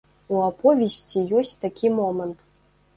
У аповесці ёсць такі момант.